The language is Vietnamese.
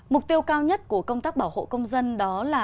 mục tiêu cao nhất của công tác bảo hộ công dân đó là